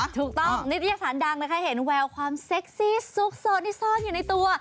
ถูกต้องนิตยสารดังนะคะเห็นแววความเซ็กซี่ซุกโซนที่ซ่อนอยู่ในตัว